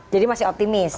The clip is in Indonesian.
jadi masih optimis